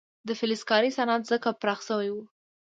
د فلزکارۍ صنعت ځکه پراخ شوی و.